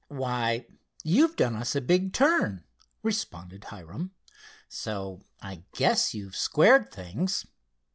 "Why, you've done us a big turn," responded Hiram, "so I guess you've squared things.